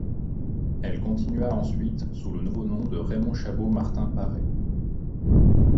Elle continua ensuite sous le nouveau nom de Raymond Chabot Martin Paré.